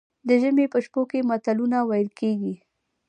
د ژمي په شپو کې متلونه ویل کیږي.